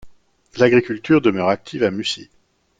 L'agriculture demeure active à Mussy.